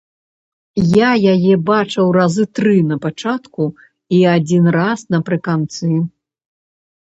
Я яе бачыў разы тры на пачатку і адзін раз напрыканцы.